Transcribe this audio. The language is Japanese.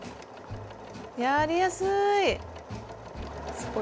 やりやすい！